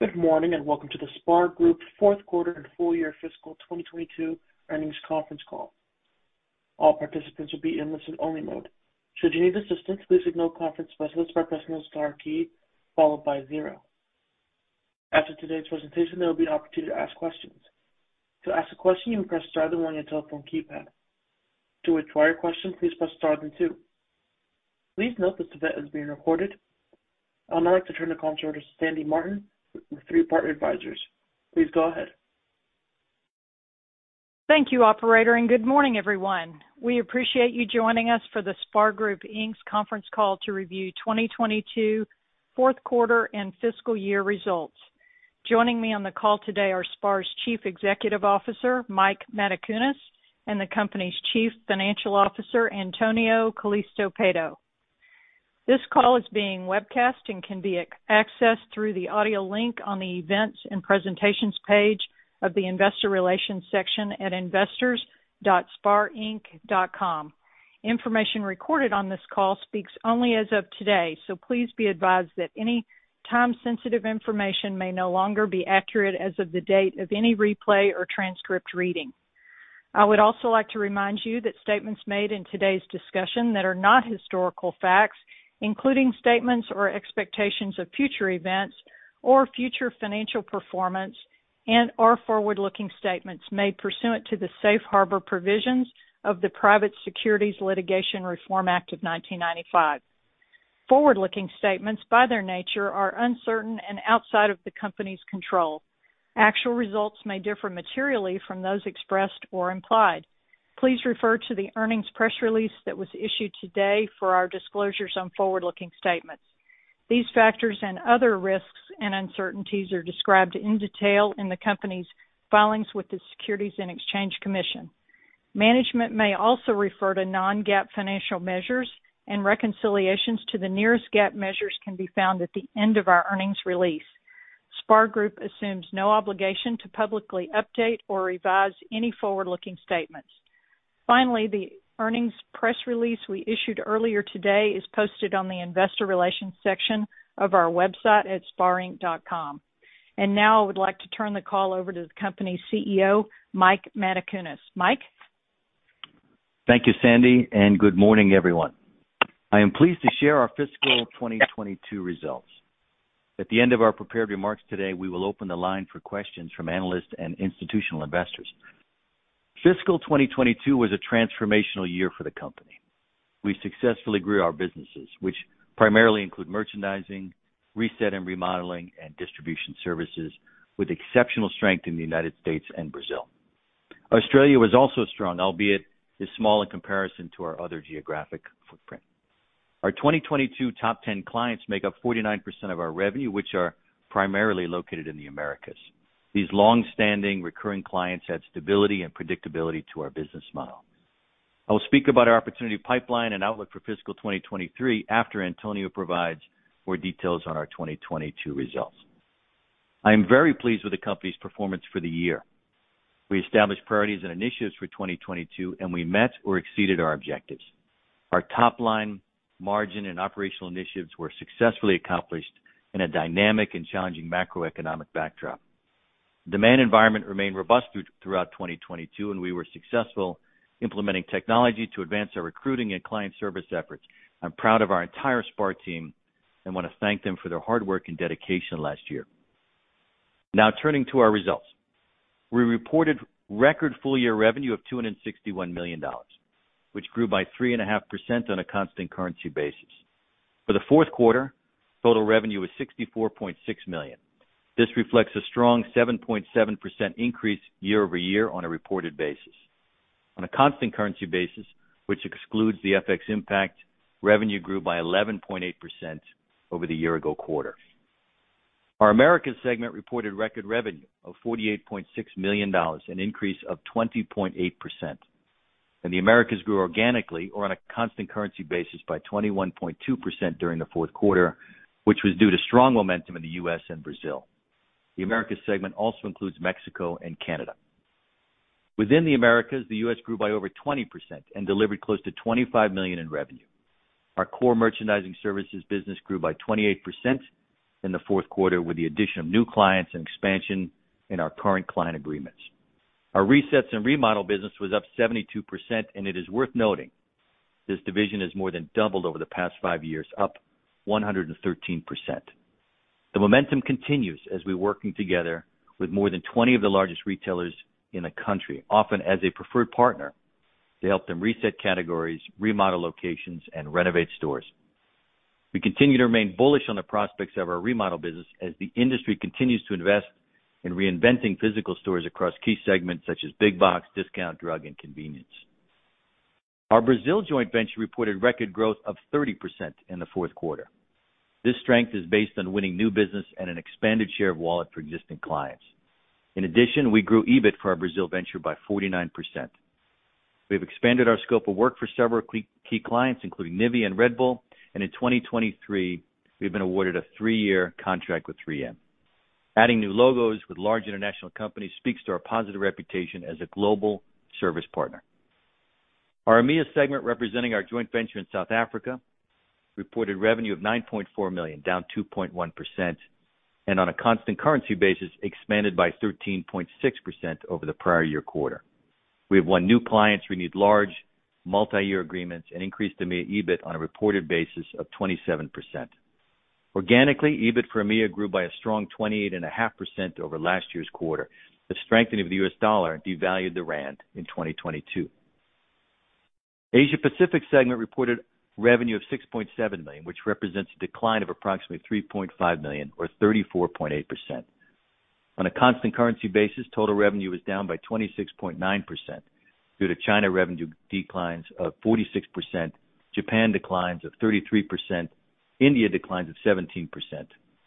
Good morning. Welcome to the SPAR Group fourth quarter and full year fiscal 2022 earnings conference call. All participants will be in listen only mode. Should you need assistance, please signal conference specialist by pressing the star key followed by zero. After today's presentation, there'll be an opportunity to ask questions. To ask a question, you may press star then one on your telephone keypad. To withdraw your question, please press star then two. Please note this event is being recorded. I'd now like to turn the call over to Sandy Martin with Three Part Advisors. Please go ahead. Thank you, operator. Good morning, everyone. We appreciate you joining us for the SPAR Group, Inc.'s conference call to review 2022 fourth quarter and fiscal year results. Joining me on the call today are SPAR's Chief Executive Officer, Mike Matacunas, and the company's Chief Financial Officer, Antonio Calisto Pato. This call is being webcast and can be accessed through the audio link on the Events and Presentations page of the investor relations section at investors.sparinc.com. Information recorded on this call speaks only as of today. Please be advised that any time-sensitive information may no longer be accurate as of the date of any replay or transcript reading. I would also like to remind you that statements made in today's discussion that are not historical facts, including statements or expectations of future events or future financial performance and/or forward-looking statements made pursuant to the safe harbor provisions of the Private Securities Litigation Reform Act of 1995. Forward-looking statements, by their nature, are uncertain and outside of the company's control. Actual results may differ materially from those expressed or implied. Please refer to the earnings press release that was issued today for our disclosures on forward-looking statements. These factors and other risks and uncertainties are described in detail in the company's filings with the Securities and Exchange Commission. Management may also refer to non-GAAP financial measures and reconciliations to the nearest GAAP measures can be found at the end of our earnings release. SPAR Group assumes no obligation to publicly update or revise any forward-looking statements. Finally, the earnings press release we issued earlier today is posted on the investor relations section of our website at sparinc.com. Now I would like to turn the call over to the company CEO, Mike Matacunas. Mike? Thank you, Sandy. Good morning, everyone. I am pleased to share our fiscal 2022 results. At the end of our prepared remarks today, we will open the line for questions from analysts and institutional investors. Fiscal 2022 was a transformational year for the company. We successfully grew our businesses, which primarily include merchandising, reset, and remodeling, and distribution services with exceptional strength in the U.S. and Brazil. Australia was also strong, albeit is small in comparison to our other geographic footprint. Our 2022 top 10 clients make up 49% of our revenue, which are primarily located in the Americas. These long-standing recurring clients add stability and predictability to our business model. I will speak about our opportunity pipeline and outlook for fiscal 2023 after Antonio provides more details on our 2022 results. I am very pleased with the company's performance for the year. We established priorities and initiatives for 2022. We met or exceeded our objectives. Our top line margin and operational initiatives were successfully accomplished in a dynamic and challenging macroeconomic backdrop. Demand environment remained robust throughout 2022. We were successful implementing technology to advance our recruiting and client service efforts. I'm proud of our entire SPAR team and wanna thank them for their hard work and dedication last year. Now turning to our results. We reported record full year revenue of $261 million, which grew by 3.5% on a constant currency basis. For the fourth quarter, total revenue was $64.6 million. This reflects a strong 7.7% increase year-over-year on a reported basis. On a constant currency basis, which excludes the FX impact, revenue grew by 11.8% over the year-ago quarter. Our Americas segment reported record revenue of $48.6 million, an increase of 20.8%. The Americas grew organically or on a constant currency basis by 21.2% during the fourth quarter, which was due to strong momentum in the U.S. and Brazil. The Americas segment also includes Mexico and Canada. Within the Americas, the U.S. grew by over 20% and delivered close to $25 million in revenue. Our core merchandising services business grew by 28% in the fourth quarter with the addition of new clients and expansion in our current client agreements. Our resets and remodel business was up 72%. It is worth noting this division has more than doubled over the past five years, up 113%. The momentum continues as we're working together with more than 20 of the largest retailers in the country, often as a preferred partner, to help them reset categories, remodel locations, and renovate stores. We continue to remain bullish on the prospects of our remodel business as the industry continues to invest in reinventing physical stores across key segments such as big box, discount, drug, and convenience. Our Brazil joint venture reported record growth of 30% in the fourth quarter. This strength is based on winning new business and an expanded share of wallet for existing clients. In addition, we grew EBIT for our Brazil venture by 49%. We have expanded our scope of work for several key clients, including NIVEA and Red Bull. In 2023, we've been awarded a three-year contract with $3 million. Adding new logos with large international companies speaks to our positive reputation as a global service partner. Our EMEA segment representing our joint venture in South Africa, reported revenue of $9.4 million, down 2.1%, and on a constant currency basis, expanded by 13.6% over the prior year quarter. We have won new clients, renewed large multi-year agreements, and increased EMEA EBIT on a reported basis of 27%. Organically, EBIT for EMEA grew by a strong 28.5% over last year's quarter. The strengthening of the U.S. dollar devalued the rand in 2022. Asia Pacific segment reported revenue of $6.7 million, which represents a decline of approximately $3.5 million or 34.8%. On a constant currency basis, total revenue was down by 26.9% due to China revenue declines of 46%, Japan declines of 33%, India declines of 17%,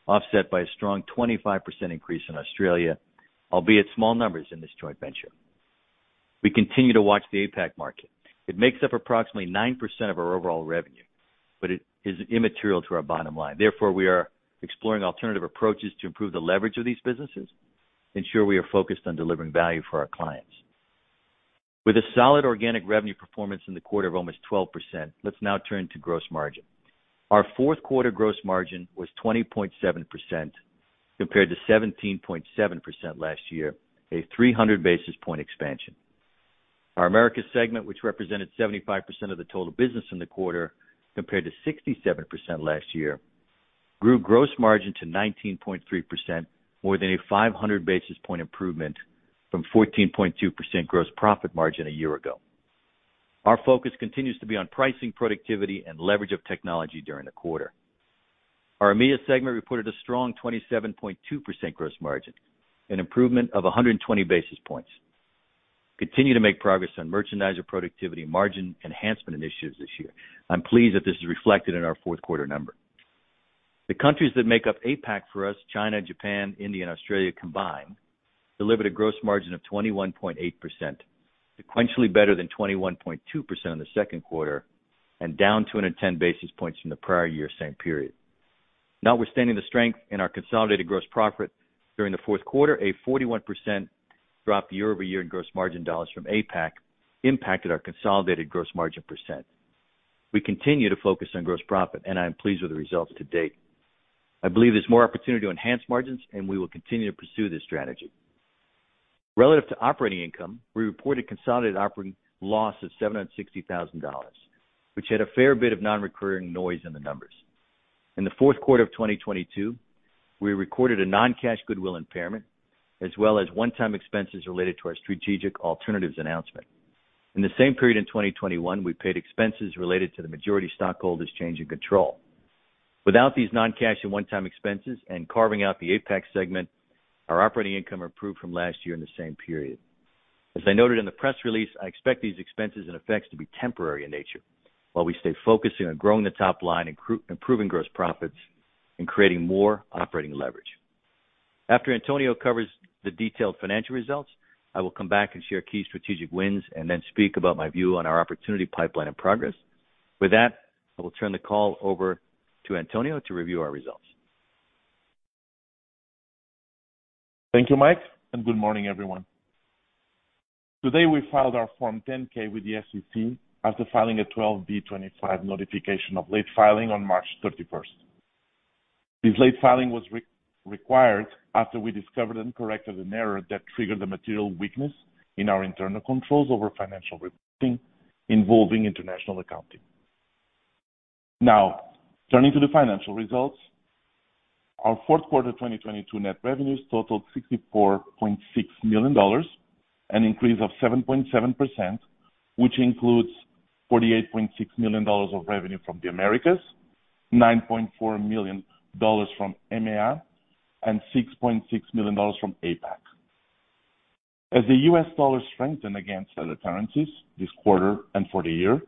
offset by a strong 25% increase in Australia, albeit small numbers in this joint venture. We continue to watch the APAC market. It makes up approximately 9% of our overall revenue, but it is immaterial to our bottom line. Therefore, we are exploring alternative approaches to improve the leverage of these businesses, ensure we are focused on delivering value for our clients. With a solid organic revenue performance in the quarter of almost 12%, let's now turn to gross margin. Our fourth quarter gross margin was 20.7% compared to 17.7% last year, a 300 basis point expansion. Our Americas segment, which represented 75% of the total business in the quarter compared to 67% last year, grew gross margin to 19.3% more than a 500 basis point improvement from 14.2% gross profit margin a year ago. Our focus continues to be on pricing, productivity, and leverage of technology during the quarter. Our EMEA segment reported a strong 27.2% gross margin, an improvement of 120 basis points. Continue to make progress on merchandiser productivity margin enhancement initiatives this year. I'm pleased that this is reflected in our fourth quarter number. The countries that make up APAC for us, China, Japan, India, and Australia combined, delivered a gross margin of 21.8%, sequentially better than 21.2% in the second quarter and down 210 basis points from the prior year same period. Notwithstanding the strength in our consolidated gross profit during the fourth quarter, a 41% drop year-over-year in gross margin dollars from APAC impacted our consolidated gross margin percent. We continue to focus on gross profit, and I am pleased with the results to date. I believe there's more opportunity to enhance margins, and we will continue to pursue this strategy. Relative to operating income, we reported consolidated operating loss of $760,000, which had a fair bit of non-recurring noise in the numbers. In the fourth quarter of 2022, we recorded a non-cash goodwill impairment, as well as one-time expenses related to our strategic alternatives announcement. In the same period in 2021, we paid expenses related to the majority stockholders change in control. Without these non-cash and one-time expenses and carving out the APAC segment, our operating income improved from last year in the same period. As I noted in the press release, I expect these expenses and effects to be temporary in nature while we stay focused on growing the top line, improving gross profits, and creating more operating leverage. After Antonio covers the detailed financial results, I will come back and share key strategic wins and then speak about my view on our opportunity pipeline and progress. With that, I will turn the call over to Antonio to review our results. Thank you, Mike. Good morning, everyone. Today, we filed our Form 10-K with the SEC after filing a Form 12b-25 notification of late filing on March 31st. This late filing was re-required after we discovered and corrected an error that triggered the material weakness in our internal controls over financial reporting involving international accounting. Turning to the financial results. Our fourth quarter 2022 net revenues totaled $64.6 million, an increase of 7.7%, which includes $48.6 million of revenue from the Americas, $9.4 million from EMEA, and $6.6 million from APAC. As the U.S. dollar strengthened against other currencies this quarter and for the year,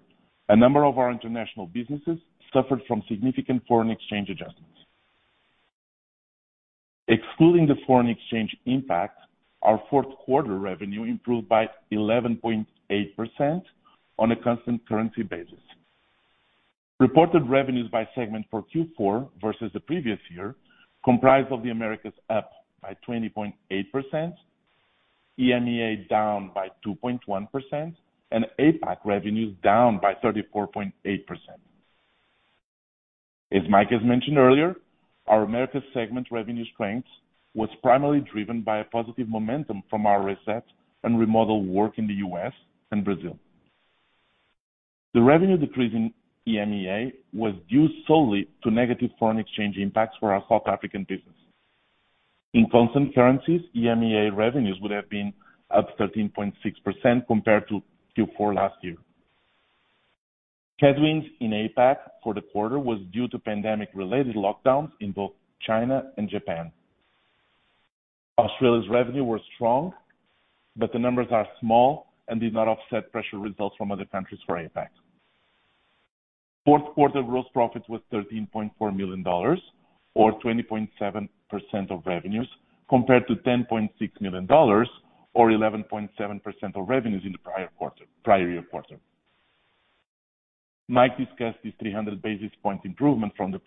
a number of our international businesses suffered from significant foreign exchange adjustments. Excluding the foreign exchange impact, our fourth quarter revenue improved by 11.8% on a constant currency basis. Reported revenues by segment for Q4 versus the previous year comprised of the Americas up by 20.8%, EMEA down by 2.1%, and APAC revenues down by 34.8%. As Mike has mentioned earlier, our Americas segment revenue strength was primarily driven by a positive momentum from our reset and remodel work in the U.S. and Brazil. The revenue decrease in EMEA was due solely to negative foreign exchange impacts for our South African business. In constant currencies, EMEA revenues would have been up 13.6% compared to Q4 last year. Headwinds in APAC for the quarter was due to pandemic-related lockdowns in both China and Japan. Australia's revenue were strong. The numbers are small and did not offset pressure results from other countries for APAC. Fourth quarter gross profit was $13.4 million or 20.7% of revenues, compared to $10.6 million or 11.7% of revenues in the prior year quarter. Mike discussed this 300 basis point improvement from the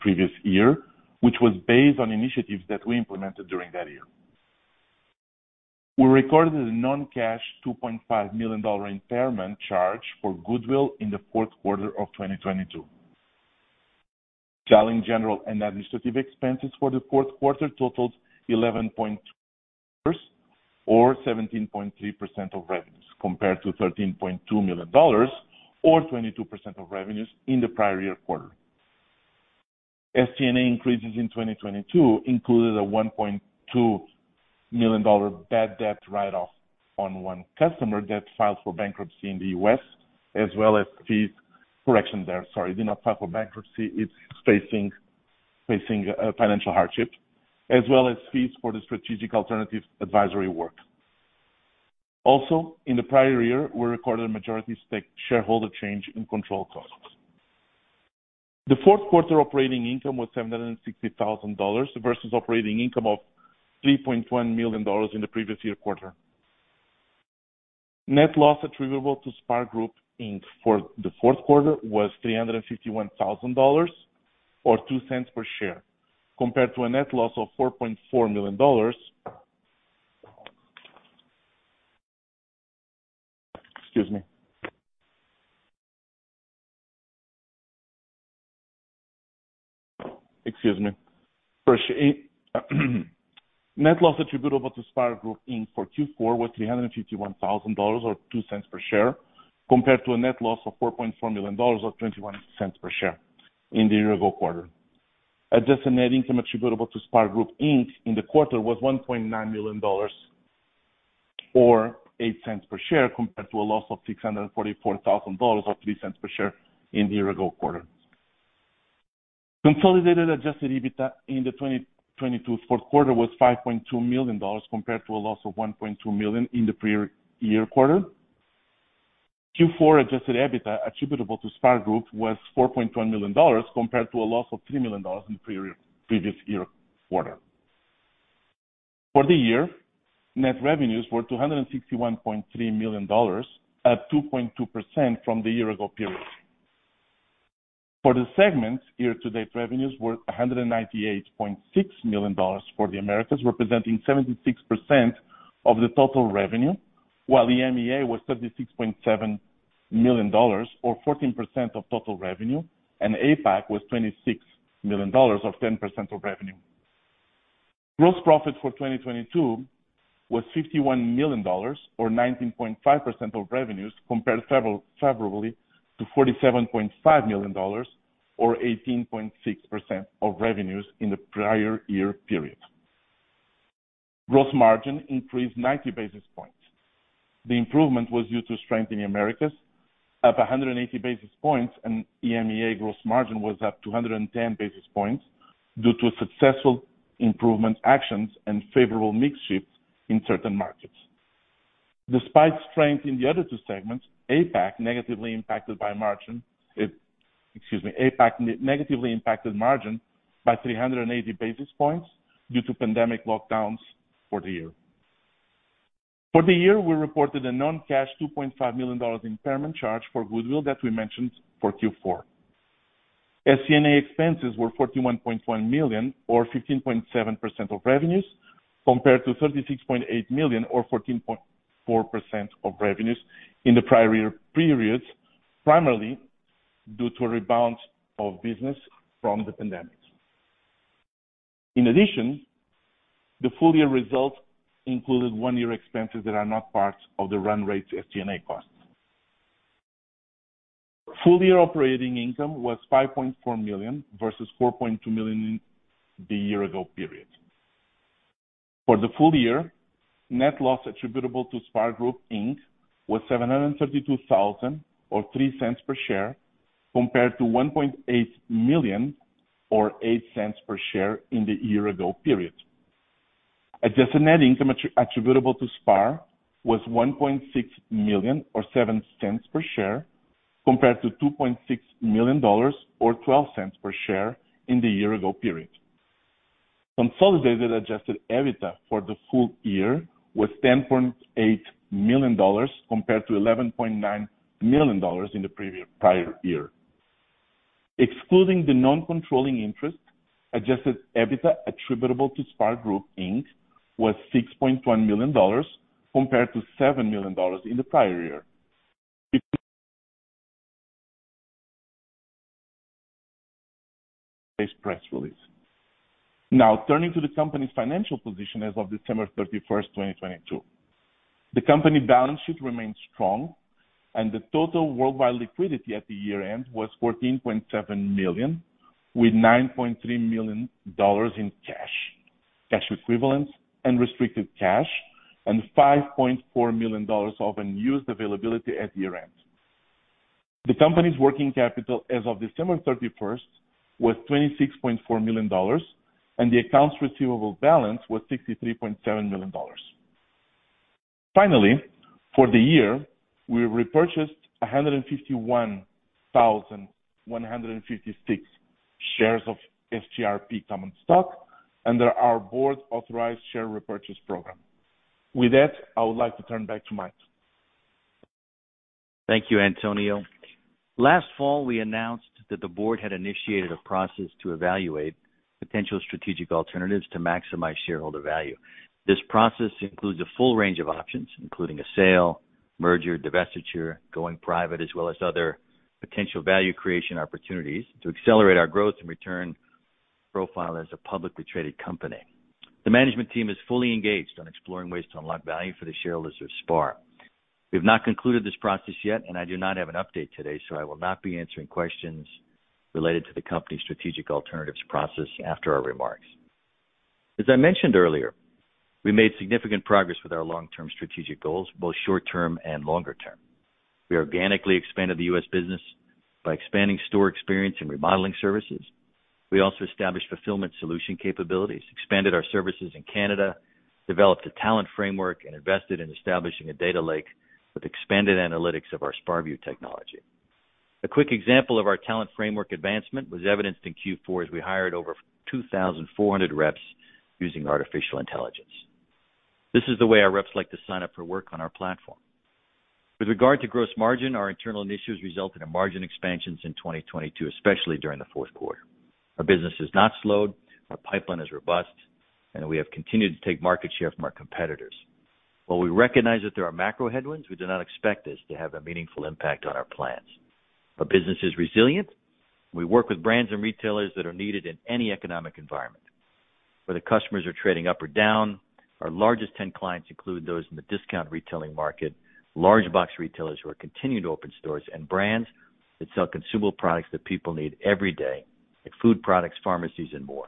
previous year, which was based on initiatives that we implemented during that year. We recorded a non-cash $2.5 million impairment charge for goodwill in the fourth quarter of 2022. Selling, General and Administrative expenses for the fourth quarter totaled 17.3% of revenues, compared to $13.2 million or 22% of revenues in the prior year quarter. STNA increases in 2022 included a $1.2 million bad debt write-off on one customer that filed for bankruptcy in the U.S., as well as fees. Correction there, sorry, did not file for bankruptcy. It's facing financial hardship as well as fees for the strategic alternative advisory work. In the prior year, we recorded a majority stake shareholder change in control costs. The fourth quarter operating income was $760,000 versus operating income of $3.1 million in the previous year quarter. Net loss attributable to SPAR Group Inc. For the fourth quarter was $351,000 or $0.02 per share, compared to a net loss of $4.4 million. Excuse me. Per share. Net loss attributable to SPAR Group Inc. For Q4 was $351,000, or $0.02 per share, compared to a net loss of $4.4 million or $0.21 per share in the year-ago quarter. Adjusted net income attributable to SPAR Group, Inc. in the quarter was $1.9 million or $0.08 per share, compared to a loss of $644,000 or $0.03 per share in the year-ago quarter. Consolidated adjusted EBITDA in the 2022 fourth quarter was $5.2 million, compared to a loss of $1.2 million in the prior year quarter. Q4 adjusted EBITDA attributable to SPAR Group was $4.1 million, compared to a loss of $3 million in previous year quarter. For the year, net revenues were $261.3 million, up 2.2% from the year-ago period. For the segment, year-to-date revenues were $198.6 million for the Americas, representing 76% of the total revenue, while the EMEA was $36.7 million or 14% of total revenue, and APAC was $26 million or 10% of revenue. Gross profit for 2022 was $51 million or 19.5% of revenues, compared favorably to $47.5 million or 18.6% of revenues in the prior year period. Gross margin increased 90 basis points. The improvement was due to strength in the Americas, up 180 basis points. EMEA gross margin was up 210 basis points due to successful improvement actions and favorable mix shifts in certain markets. Despite strength in the other two segments, APAC negatively impacted by margin. Excuse me. APAC negatively impacted margin by 380 basis points due to pandemic lockdowns for the year. For the year, we reported a non-cash $2.5 million impairment charge for goodwill that we mentioned for Q4. SG&A expenses were $41.1 million or 15.7% of revenues, compared to $36.8 million or 14.4% of revenues in the prior year periods, primarily due to a rebound of business from the pandemic. In addition, the full year results included one-year expenses that are not part of the run rate SG&A costs. Full year operating income was $5.4 million versus $4.2 million the year-ago period. For the full year, net loss attributable to SPAR Group, Inc. was $732,000 or $0.03 per share, compared to $1.8 million or $0.08 per share in the year-ago period. Adjusted net income attributable to SPAR was $1.6 million or $0.07 per share, compared to $2.6 million or $0.12 per share in the year-ago period. Consolidated adjusted EBITDA for the full year was $10.8 million compared to $11.9 million in the prior year. Excluding the non-controlling interest, adjusted EBITDA attributable to SPAR Group, Inc. Was $6.1 million, compared to $7 million in the prior year. This press release. Now turning to the company's financial position as of December 31st, 2022. The company balance sheet remains strong and the total worldwide liquidity at the year-end was $14.7 million, with $9.3 million in cash equivalents and restricted cash, and $5.4 million of unused availability at year-end. The company's working capital as of December 31st was $26.4 million, and the accounts receivable balance was $63.7 million. Finally, for the year, we repurchased 151,156 shares of SGRP common stock under our board authorized share repurchase program. With that, I would like to turn back to Mike. Thank you, Antonio. Last fall, we announced that the board had initiated a process to evaluate potential strategic alternatives to maximize shareholder value. This process includes a full range of options, including a sale, merger, divestiture, going private, as well as other potential value creation opportunities to accelerate our growth and return profile as a publicly traded company. The management team is fully engaged on exploring ways to unlock value for the shareholders of SPAR. We've not concluded this process yet, and I do not have an update today, so I will not be answering questions related to the company's strategic alternatives process after our remarks. As I mentioned earlier, we made significant progress with our long-term strategic goals, both short-term and longer term. We organically expanded the U.S. business by expanding store experience and remodeling services. We also established fulfillment solution capabilities, expanded our services in Canada, developed a talent framework, and invested in establishing a data lake with expanded analytics of our SPARview technology. A quick example of our talent framework advancement was evidenced in Q4 as we hired over 2,400 reps using artificial intelligence. This is the way our reps like to sign up for work on our platform. With regard to gross margin, our internal initiatives resulted in margin expansions in 2022, especially during the fourth quarter. Our business has not slowed, our pipeline is robust, and we have continued to take market share from our competitors. While we recognize that there are macro headwinds, we do not expect this to have a meaningful impact on our plans. Our business is resilient. We work with brands and retailers that are needed in any economic environment. Whether customers are trading up or down, our largest 10 clients include those in the discount retailing market, large box retailers who are continuing to open stores, and brands that sell consumable products that people need every day, like food products, pharmacies, and more.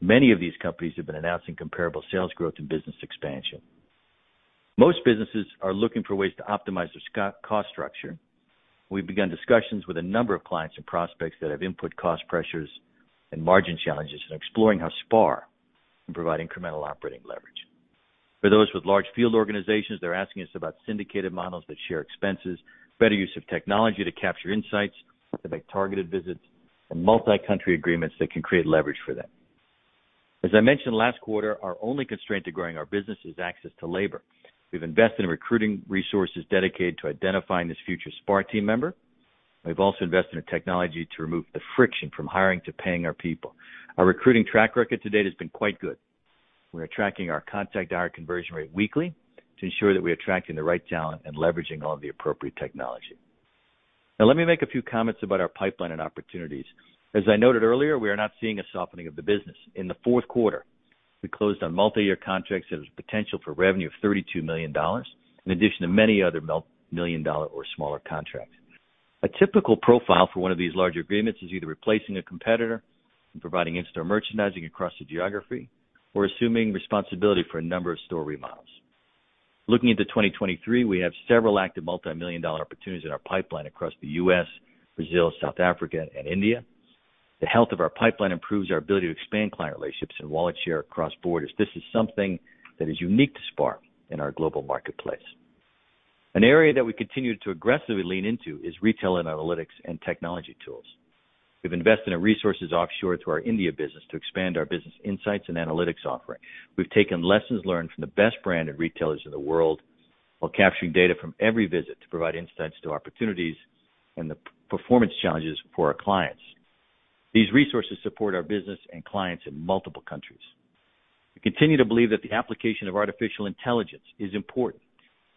Many of these companies have been announcing comparable sales growth and business expansion. Most businesses are looking for ways to optimize their cost structure. We've begun discussions with a number of clients and prospects that have input cost pressures and margin challenges and exploring how SPAR can provide incremental operating leverage. For those with large field organizations, they're asking us about syndicated models that share expenses, better use of technology to capture insights to make targeted visits, and multi-country agreements that can create leverage for them. As I mentioned last quarter, our only constraint to growing our business is access to labor. We've invested in recruiting resources dedicated to identifying this future SPAR team member. We've also invested in technology to remove the friction from hiring to paying our people. Our recruiting track record to date has been quite good. We are tracking our contact to hire conversion rate weekly to ensure that we are attracting the right talent and leveraging all the appropriate technology. Let me make a few comments about our pipeline and opportunities. As I noted earlier, we are not seeing a softening of the business. In the fourth quarter, we closed on multi-year contracts that have potential for revenue of $32 million, in addition to many other million-dollar or smaller contracts. A typical profile for one of these larger agreements is either replacing a competitor and providing in-store merchandising across the geography or assuming responsibility for a number of store remodels. Looking into 2023, we have several active multi-million dollar opportunities in our pipeline across the U.S., Brazil, South Africa, and India. The health of our pipeline improves our ability to expand client relationships and wallet share across borders. This is something that is unique to SPAR in our global marketplace. An area that we continue to aggressively lean into is retail analytics and technology tools. We've invested in resources offshore to our India business to expand our business insights and analytics offering. We've taken lessons learned from the best branded retailers in the world while capturing data from every visit to provide insights to opportunities and the performance challenges for our clients. These resources support our business and clients in multiple countries. We continue to believe that the application of artificial intelligence is important.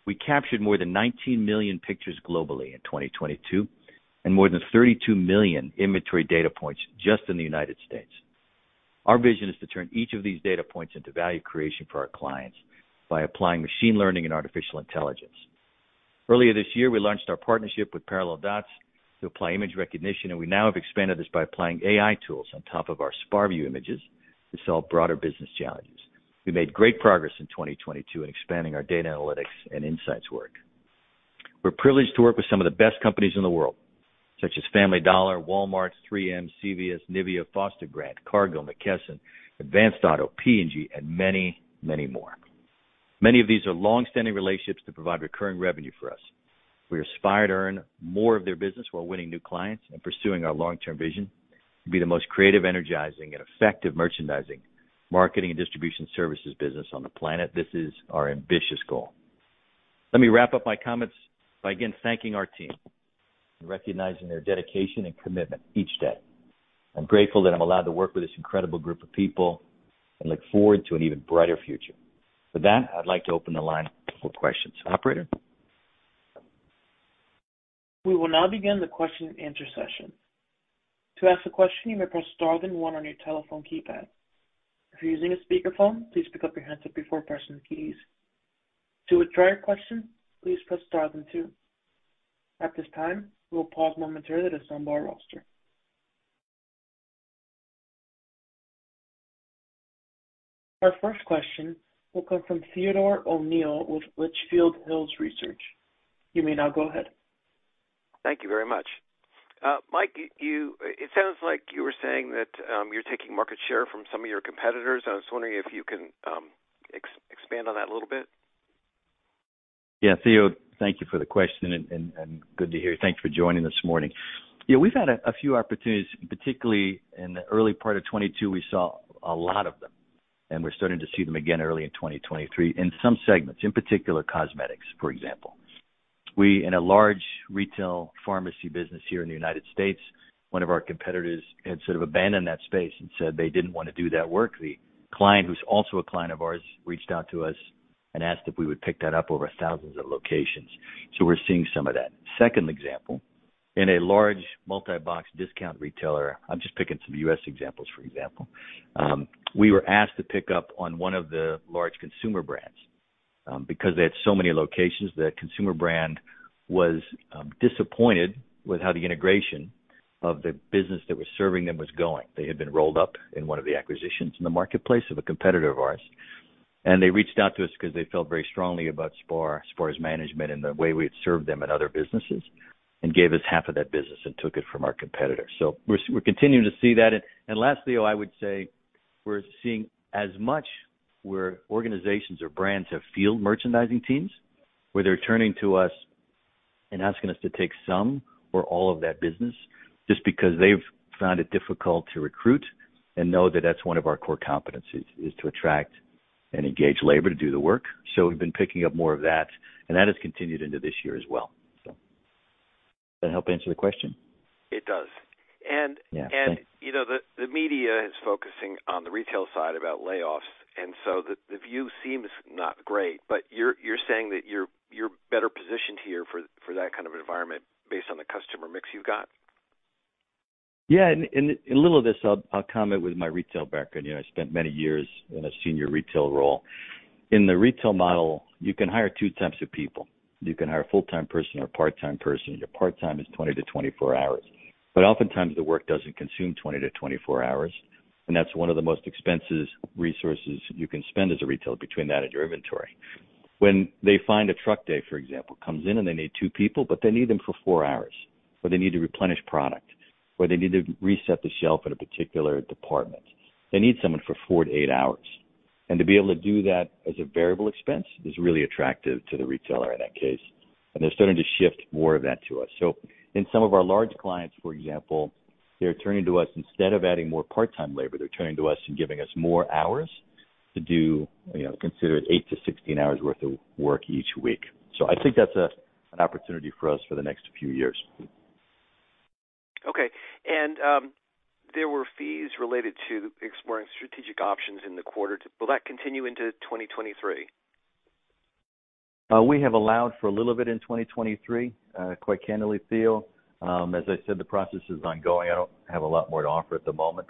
We captured more than 19 million pictures globally in 2022 and more than 32 million inventory data points just in the United States. Our vision is to turn each of these data points into value creation for our clients by applying machine learning and artificial intelligence. Earlier this year, we launched our partnership with ParallelDots to apply image recognition, we now have expanded this by applying AI tools on top of our SPARview images to solve broader business challenges. We made great progress in 2022 in expanding our data analytics and insights work. We're privileged to work with some of the best companies in the world, such as Family Dollar, Walmart, 3M, CVS, NIVEA, Foster Grant, Cargill, McKesson, Advance Auto, P&G, and many, many more. Many of these are long-standing relationships that provide recurring revenue for us. We aspire to earn more of their business while winning new clients and pursuing our long-term vision to be the most creative, energizing, and effective merchandising, marketing, and distribution services business on the planet. This is our ambitious goal. Let me wrap up my comments by, again, thanking our team and recognizing their dedication and commitment each day. I'm grateful that I'm allowed to work with this incredible group of people and look forward to an even brighter future. With that, I'd like to open the line for questions. Operator? We will now begin the question and answer session. To ask a question, you may press star then one on your telephone keypad. If you're using a speakerphone, please pick up your handset before pressing the keys. To withdraw your question, please press star then two. At this time, we will pause momentarily to assemble our roster. Our first question will come from Theodore O'Neill with Litchfield Hills Research. You may now go ahead. Thank you very much. Mike, it sounds like you were saying that you're taking market share from some of your competitors. I was wondering if you can expand on that a little bit. Yeah, Theo, thank you for the question and good to hear. Thanks for joining this morning. Yeah, we've had a few opportunities, particularly in the early part of 2022 we saw a lot of them, and we're starting to see them again early in 2023 in some segments, in particular cosmetics, for example. We, in a large retail pharmacy business here in the U.S., one of our competitors had sort of abandoned that space and said they didn't wanna do that work. The client, who's also a client of ours, reached out to us and asked if we would pick that up over thousands of locations. We're seeing some of that. Second example, in a large multi-box discount retailer, I'm just picking some U.S. examples for example, we were asked to pick up on one of the large consumer brands, because they had so many locations. The consumer brand was disappointed with how the integration of the business that was serving them was going. They had been rolled up in one of the acquisitions in the marketplace of a competitor of ours, and they reached out to us 'cause they felt very strongly about SPAR's management and the way we had served them in other businesses and gave us half of that business and took it from our competitor. We're continuing to see that. Lastly, Theo, I would say we're seeing as much where organizations or brands have field merchandising teams, where they're turning to us and asking us to take some or all of that business just because they've found it difficult to recruit and know that that's one of our core competencies, is to attract and engage labor to do the work. We've been picking up more of that, and that has continued into this year as well. Does that help answer the question? It does. Yeah. Thanks. You know, the media is focusing on the retail side about layoffs, and so the view seems not great. You're saying that you're better positioned here for that kind of environment based on the customer mix you've got? Yeah. In, in lieu of this I'll comment with my retail background. You know, I spent many years in a senior retail role. In the retail model, you can hire two types of people. You can hire a full-time person or a part-time person, your part-time is 20 hours-24 hours. Oftentimes the work doesn't consume 20 hours-24 hours, that's one of the most expensive resources you can spend as a retailer between that and your inventory. When they find a truck day, for example, comes in and they need two people, but they need them for four hours, or they need to replenish product, or they need to reset the shelf at a particular department, they need someone for four to eight hours. To be able to do that as a variable expense is really attractive to the retailer in that case, and they're starting to shift more of that to us. In some of our large clients, for example, they're turning to us instead of adding more part-time labor, they're turning to us and giving us more hours to do, you know, consider it eight to 16 hours worth of work each week. I think that's a, an opportunity for us for the next few years. Okay. There were fees related to exploring strategic options in the quarter. Will that continue into 2023? We have allowed for a little bit in 2023. Quite candidly, Theo, as I said, the process is ongoing. I don't have a lot more to offer at the moment.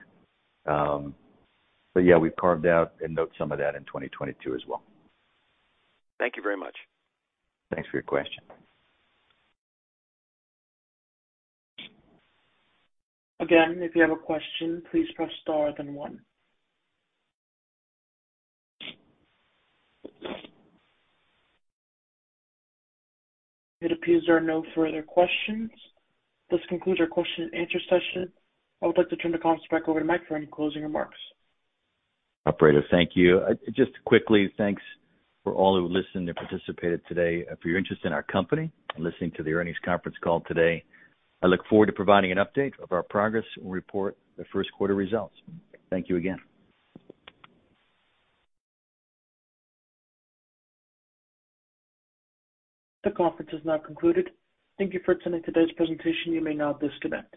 Yeah, we've carved out and note some of that in 2022 as well. Thank you very much. Thanks for your question. Again, if you have a question, please press star then one. It appears there are no further questions. This concludes our question and answer session. I would like to turn the conference back over to Mike for any closing remarks. Operator, thank you. Just quickly, thanks for all who listened and participated today, for your interest in our company and listening to the earnings conference call today. I look forward to providing an update of our progress and report the first quarter results. Thank you again. The conference is now concluded. Thank you for attending today's presentation. You may now disconnect.